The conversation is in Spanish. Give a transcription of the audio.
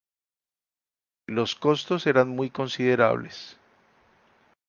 Los costos eran muy considerables.